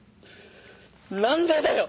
何でだよ！